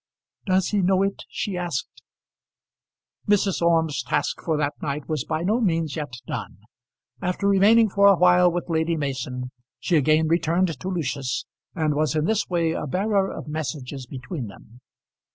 "Does he know it?" she asked. Mrs. Orme's task for that night was by no means yet done. After remaining for a while with Lady Mason she again returned to Lucius, and was in this way a bearer of messages between them.